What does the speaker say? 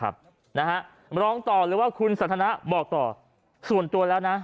บอกต่อส่วนตัวแล้วนะ